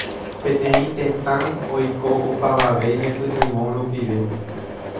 Peteĩ tetã oiko opavave ñepytyvõ rupive.